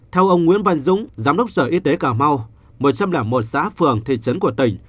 theo ông nguyễn văn dũng giám đốc sở y tế cà mau một trăm linh một xã phường thị trấn của tỉnh